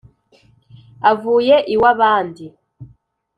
avuye iw’abandi